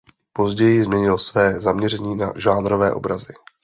Později změnil své zaměření na žánrové obrazy.